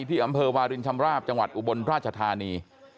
ที่อำเภอวารินชำราบจังหวัดอุบลราชธานี